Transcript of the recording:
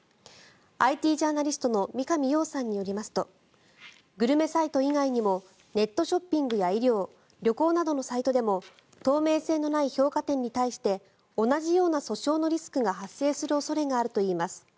ＩＴジャーナリストの三上洋さんによりますとグルメサイト以外にもネットショッピングや医療旅行などのサイトでも透明性のない評価点に対して同じような訴訟のリスクが発生する恐れがあるといいます。